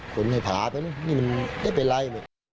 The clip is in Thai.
ขนให้ผ่าไปนี่มันได้เป็นไร